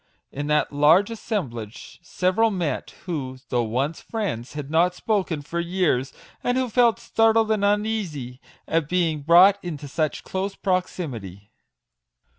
In that large assemblage several met, who, though once friends, had not spoken for years, and who felt startled and uneasy at being brought into such close proximity.